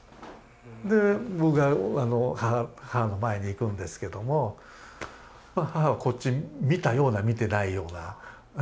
で僕が母の前に行くんですけどもまあ母はこっち見たような見てないような僕はよく分かんない。